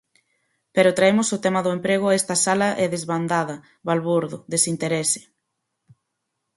Pero traemos o tema do emprego a esta sala e desbandada, balbordo, desinterese.